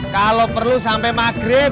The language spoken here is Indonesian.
kalo perlu sampe maghrib